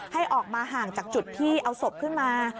ให้ออกมาห่างจากจุดที่เอาศพขึ้นมา